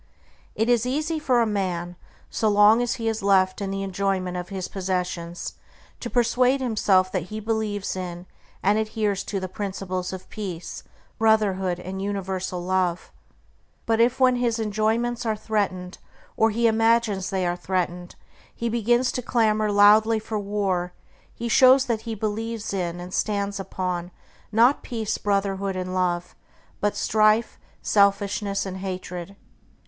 It is easy for a man, so long as he is left in the enjoyment of his possessions, to persuade himself that he believes in and adheres to the principles of Peace, Brotherhood, and Universal Love; but if, when his enjoyments are threatened, or he imagines they are threatened, he begins to clamor loudly for war, he shows that he believes in and stands upon, not Peace, Brotherhood, and Love, but strife, selfishness, and hatred.